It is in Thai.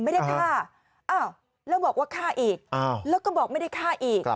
ไม่ได้ฆ่าอ้าวแล้วบอกว่าฆ่าอีกแล้วก็บอกไม่ได้ฆ่าอีก